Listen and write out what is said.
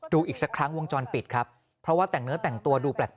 ดูอีกสักครั้งวงจรปิดครับเพราะว่าแต่งเนื้อแต่งตัวดูแปลก